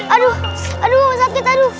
aduh aduh sakit aduh